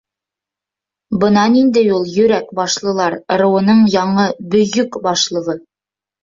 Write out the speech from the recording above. Бына ниндәй ул Йөрәк башлылар ырыуының яңы Бөйөк Башлығы!